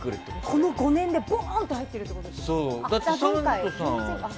この５年でボーンと入ってるってことですね。